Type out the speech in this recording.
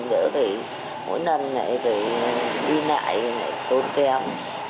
đỡ cái mỗi lần này phải đi lại tốn kém